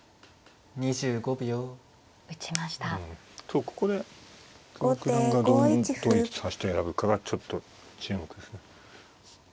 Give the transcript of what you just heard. そうここで久保九段がどういう指し手選ぶかがちょっと注目ですね。